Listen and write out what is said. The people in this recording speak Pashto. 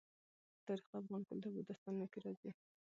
تاریخ د افغان کلتور په داستانونو کې راځي.